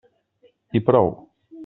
I prou!